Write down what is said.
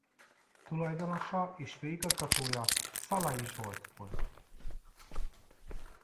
Tulajdonosa és főigazgatója Szalai Zsolt volt.